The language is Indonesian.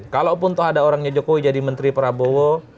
kalaupun toh ada orangnya jokowi jadi menteri prabowo